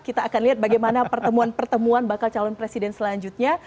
kita akan lihat bagaimana pertemuan pertemuan bakal calon presiden selanjutnya